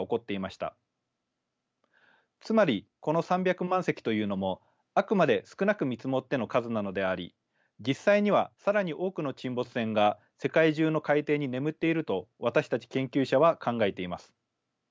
つまりこの３００万隻というのもあくまで少なく見積もっての数なのであり実際には更に多くの沈没船が世界中の海底に眠っていると私たち研究者は考えています。